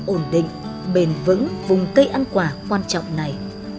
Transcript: ổn định bền vững vùng cây ăn quả quan trọng này